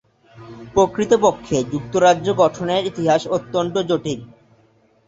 প্রকৃতপক্ষে যুক্তরাজ্য গঠনের ইতিহাস অত্যন্ত জটিল।